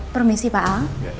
permisi pak al